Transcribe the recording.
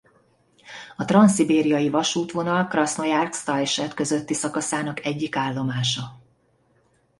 A transzszibériai vasútvonal Krasznojarszk–Tajset közötti szakaszának egyik állomása.